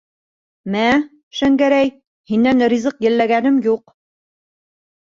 Мә, Шәңгәрәй, һинән ризыҡ йәлләгәнем юҡ.